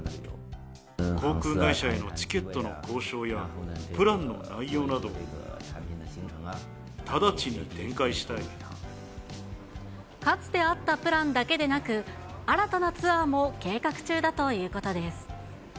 航空会社へのチケットの交渉や、プランの内容など、直ちに展開しかつてあったプランだけでなく、新たなツアーも計画中だということです。